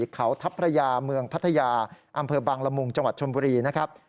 เขาทัพพระยาเมืองพัทยาอำเภอบังละมุงจังหวัดชนบุรีนะครับ